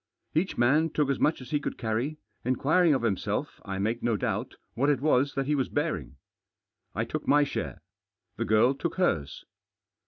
Each man took as much as he could carry— inquiring of himself, I mak£ no dbubtj what it was that he Was bearing, t took ktty share. The girl took hers.